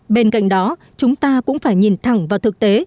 bên cạnh đó chúng ta cũng phải nhìn thẳng vào thực tế